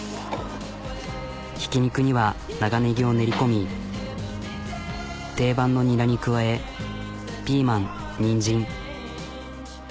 ひき肉には長ネギを練り込み定番のニラに加えピーマンニンジン。